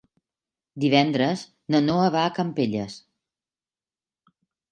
Divendres na Noa va a Campelles.